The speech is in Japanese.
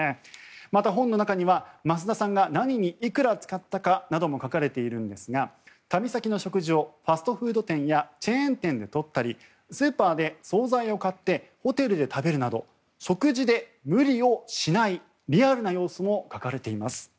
また、本の中には益田さんが何にいくら使ったのかなども書かれているんですが旅先の食事をファストフード店やチェーン店で取ったりスーパーで総菜を買ってホテルで食べるなど食事で無理をしないリアルな様子も書かれています。